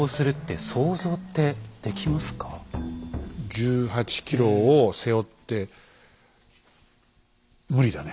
１８ｋｇを背負って無理だね。